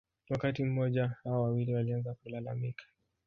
Wakati mmoja hao wawili walianza kulalamika